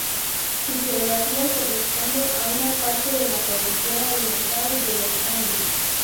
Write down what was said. Su geografía corresponde a una parte de la cordillera oriental de los Andes.